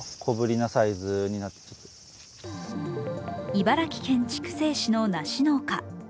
茨城県筑西市の梨農家。